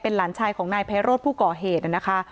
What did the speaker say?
หลานชายของนายไพโรธผู้ก่อเหตุนะคะ